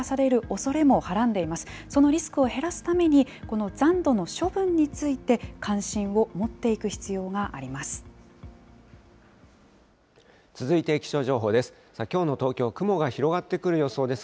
そのリスクを減らすために、この残土の処分について、関心を持っ続いて気象情報です。